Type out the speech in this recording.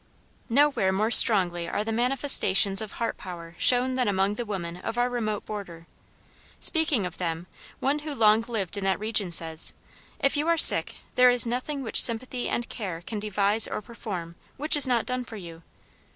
Nowhere more strongly are the manifestations of heart power shown than among the women of our remote border. Speaking of them, one who long lived in that region says, "If you are sick, there is nothing which sympathy and care can devise or perform, which is not done for you.